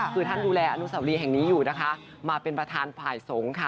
คือท่านดูแลอนุสาวรีแห่งนี้อยู่นะคะมาเป็นประธานฝ่ายสงฆ์ค่ะ